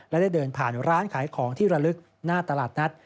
และได้เดินผ่านร้านขายของที่ระลึกหน้าตลาดนัด